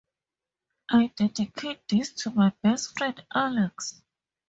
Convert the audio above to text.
I dedicate this to my best friend, Alex.